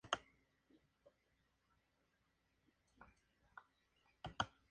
Las condiciones de vida dentro del colegio empeoraron con rapidez.